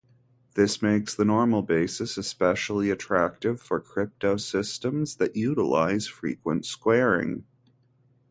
This makes the normal basis especially attractive for cryptosystems that utilize frequent squaring.